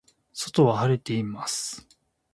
外は晴れています。